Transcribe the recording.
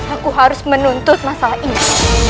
aku harus menuntut masalah ini